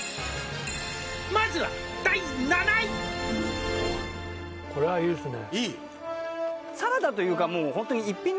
「まずは第７位」いい？